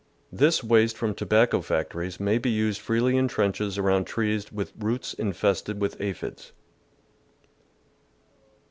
— This waste from tobacco fac tories may be used freely in trenches around trees with roots infested with aphids.